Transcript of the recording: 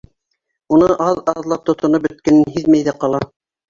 Уны аҙ-аҙлап тотоноп бөткәнен һиҙмәй ҙә ҡала.